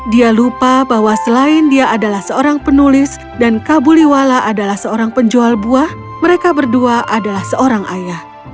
dia lupa bahwa selain dia adalah seorang penulis dan kabuliwala adalah seorang penjual buah mereka berdua adalah seorang ayah